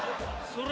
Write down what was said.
それ。